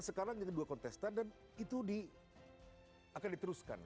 sekarang ini ada dua kontestan dan itu akan diteruskan